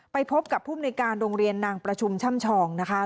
ไปพบกับภูมิในการโรงเรียนนางประชุมช่ำชองนะคะ